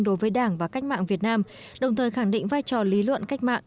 đối với đảng và cách mạng việt nam đồng thời khẳng định vai trò lý luận cách mạng